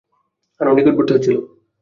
আরও নিকটবর্তী হচ্ছিল।